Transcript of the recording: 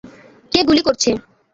কে গুলি করছে?